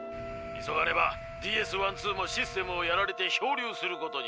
急がねばＤＳ−１２もシステムをやられて漂流することになる。